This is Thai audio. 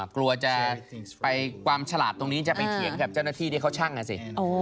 กลัวจะไปความฉลาดตรงนี้จะไปเถียงกับเจ้าหน้าที่ที่เขาชั่งอ่ะสิ